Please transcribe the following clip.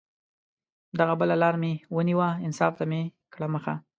دغه بله لار مې ونیوه، انصاف ته مې کړه مخه